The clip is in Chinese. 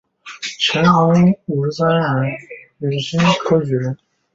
乾隆五十三年戊申恩科举人。